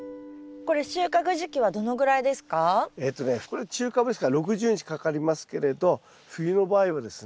これ中カブですから６０日かかりますけれど冬の場合はですね